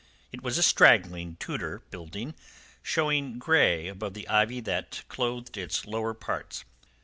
It was a straggling Tudor building showing grey above the ivy that clothed its lower parts.